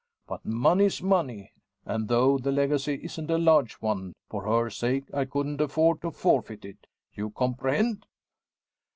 But money's money; and though the legacy isn't a large one, for her sake I couldn't afford to forfeit it. You comprehend?"